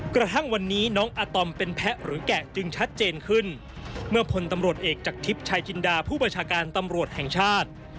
กระทั่งวันนี้น้องอาตอมเป็นแพะหรือแกะจึงชัดเจนขึ้นเมื่อพลตำรวจเอกจากทิพย์ชายจินดาผู้ประชาการตำรวจแห่งชาติ